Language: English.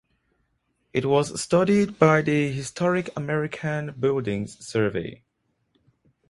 It was studied by the Historic American Buildings Survey.